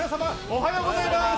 おはようございます。